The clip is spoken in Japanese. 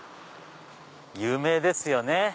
有名ですよね。